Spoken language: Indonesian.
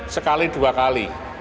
sekali dua kali